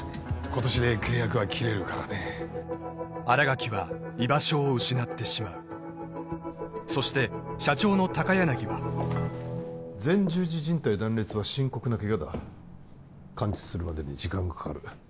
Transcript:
今年で契約は切れるからね新垣は居場所を失ってしまうそして社長の高柳は前十字靱帯断裂は深刻なケガだ完治するまでに時間がかかる